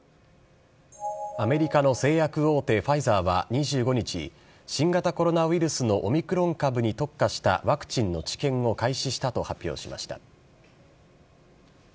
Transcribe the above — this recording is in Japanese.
アメリカの製薬大手、ファイザーは２５日、新型コロナウイルスのオミクロン株に特化したワクチンの治験を開始したと発表しました。